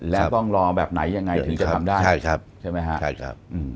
และต้องรอแบบไหนยังไงถึงจะทำได้ใช่ไหมครับ